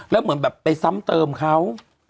แล้วเหมือนแบบไปซ้ำเติมเขา